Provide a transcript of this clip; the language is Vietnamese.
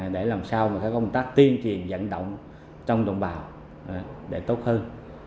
để làm sao công tác tiên triền dẫn động trong đồng bào để tốt hơn